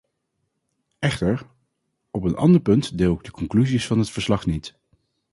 Echter, op een ander punt deel ik de conclusies van het verslag niet.